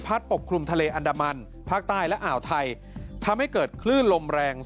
ปกคลุมทะเลอันดามันภาคใต้และอ่าวไทยทำให้เกิดคลื่นลมแรง